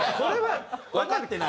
わかってない。